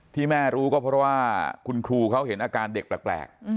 ที่แม่รู้ก็เพราะว่าคุณครูเขาเห็นอาการเด็กแปลก